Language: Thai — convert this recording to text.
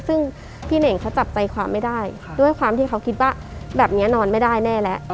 ซึ่งพี่เน่งเขาจับใจความไม่ได้ด้วยความที่เขาคิดว่าแบบนี้นอนไม่ได้แน่แล้ว